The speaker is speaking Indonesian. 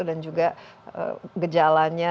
dan juga gejalanya